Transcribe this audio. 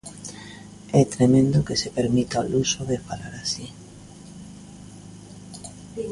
É tremendo que se permita o luxo de falar así.